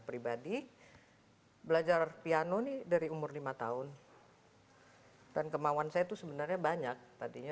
pribadi belajar piano nih dari umur lima tahun dan kemauan saya tuh sebenarnya banyak tadinya